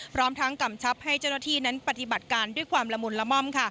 พร้อมทั้งกำชับให้เจ้าหน้าที่นั้นปฏิบัติการด้วยความละมุนละม่อม